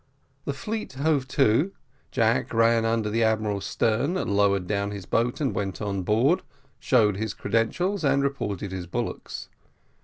The fleet hove to, Jack ran under the admiral's stern, lowered down his boat, and went on board, showed his credentials, and reported his bullocks.